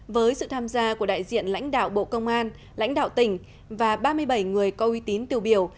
với sự tham gia của đại diện lãnh đạo bộ công an lãnh đạo tỉnh và ba mươi bảy người có uy tín tiêu biểu